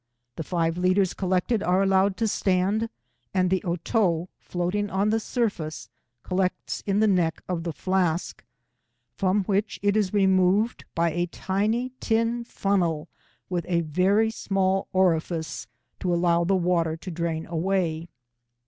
The five litres collected are allowed to stand, and the Otto floating on the surface collects in the neck of the flask, from which it is removed by a tiny tin funnel with a very small orifice to allow the water to drain away.